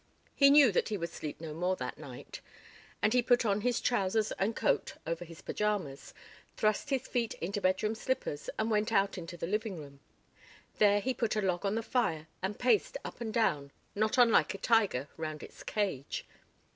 He knew that he would sleep no more that night, and he put on his trousers and coat over his pyjamas, thrust his feet into bedroom slippers and went out into the living room. There he put a log on the fire and paced up and down, not unlike a tiger round its cage.